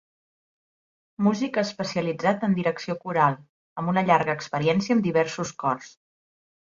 Músic especialitzat en direcció coral, amb una llarga experiència amb diversos cors.